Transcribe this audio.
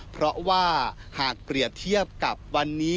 เพราะว่าหากเปรียบเทียบกับวันนี้